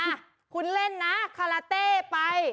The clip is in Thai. อ่ะคุณเล่นนะคาราเต้ไป